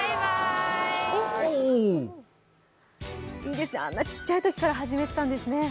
いいですね、あんなちっちゃいときから始めていたんですね。